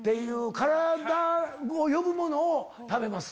体が呼ぶものを食べます。